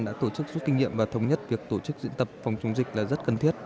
đã tổ chức suốt kinh nghiệm và thống nhất việc tổ chức diễn tập phòng chống dịch là rất cần thiết